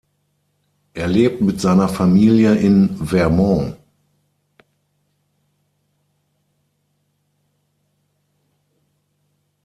Er lebt mit seiner Familie in Vermont.